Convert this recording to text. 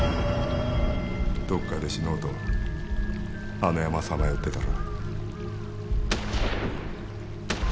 どこかで死のうとあの山さまよってたら。